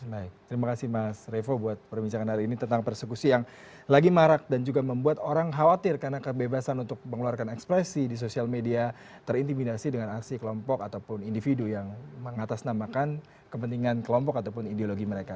baik terima kasih mas revo buat perbincangan hari ini tentang persekusi yang lagi marak dan juga membuat orang khawatir karena kebebasan untuk mengeluarkan ekspresi di sosial media terintimidasi dengan aksi kelompok ataupun individu yang mengatasnamakan kepentingan kelompok ataupun ideologi mereka